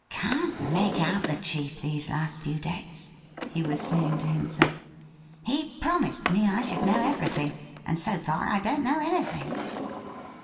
' Can't make out the chief these last few days,'' he was saying to himself. ' He promised me I should know everything, and so far I don't know anything.